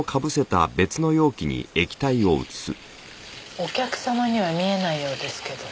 お客さまには見えないようですけど。